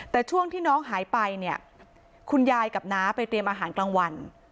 แต่ช่วงที่น้องหายไปเนี่ยคุณยายกับน้าไปเตรียมอาหารกลางวัน